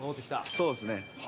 そうですね。